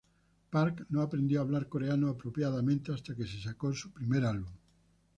Park no aprendió a hablar coreano apropiadamente hasta que sacó su primer álbum.